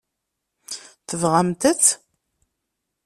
Tebɣamt-t?